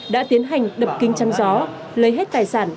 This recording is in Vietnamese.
đã tiến hành đập kính chăm gió lấy hết tài sản